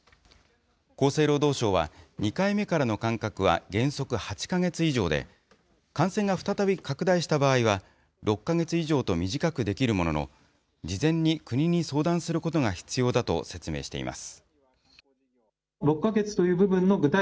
厚生労働省は、２回目からの間隔は原則８か月以上で、感染が再び拡大した場合は、６か月以上と短くできるものの、事前に国に相談することが必要だと説明しています。